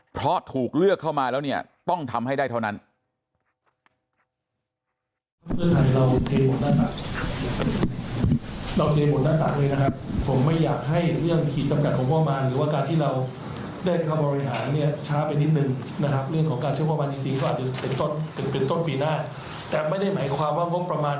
เพราะถูกเลือกเข้ามาแล้วเนี่ยต้องทำให้ได้เท่านั้น